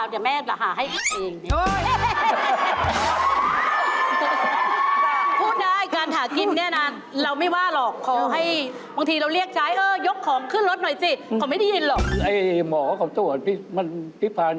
เขาได้ยินถ้าด่าเขาได้ยิน